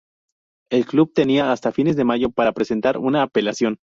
El club tenía hasta fines de mayo para presentar una apelación.